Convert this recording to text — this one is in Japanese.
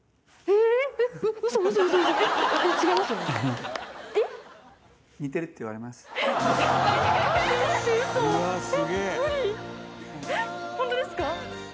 えっ本当ですか？